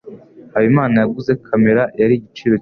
Habimana yaguze kamera yari igiciro cyinshi.